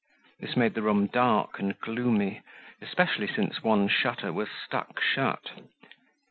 This made the room dark and gloomy, especially since one shutter was stuck shut.